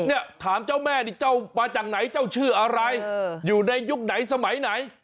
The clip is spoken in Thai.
เนี่ยถามเจ้าแม่นี่เจ้ามาจากไหนเจ้าชื่ออะไรอยู่ในยุคไหนสมัยไหน